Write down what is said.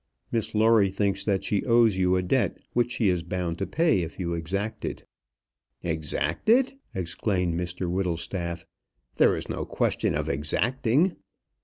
Miss Lawrie thinks that she owes you a debt which she is bound to pay if you exact it." "Exact it!" exclaimed Mr Whittlestaff. "There is no question of exacting!"